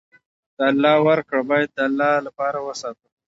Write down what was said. د الله ورکړه باید د الله لپاره وساتو.